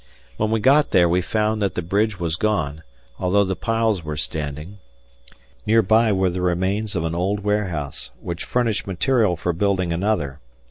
When we got there, we found that the bridge was gone, although the piles were standing Near by were the remains of an old warehouse; which furnished material for building another.